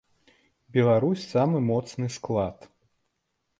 Беларусь самы моцны склад.